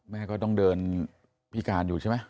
แม่ก็ต้องเดินพิการอยู่ใช่ไหม